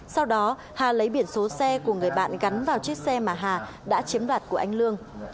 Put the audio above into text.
sau đó hà lấy biển số xe của người bạn gắn vào chiếc xe mà hà đã chiếm đoạt của anh lương